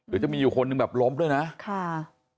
อื่นจะมีคนหนึ่งแบบล้มด้วยนะค่า